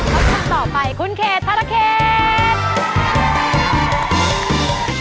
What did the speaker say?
ปรับทรงต่อไปคุณเขชทาละเขช